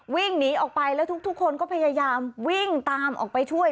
วิ่งหนีออกไปแล้วทุกคนก็พยายามวิ่งตามออกไปช่วย